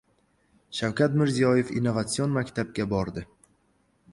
Shavkat Mirziyoyev innovatsion maktabga bordi